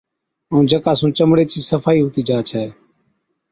ائُون جڪا سُون چمڙِي چِي صفائِي هُتِي جا ڇَي۔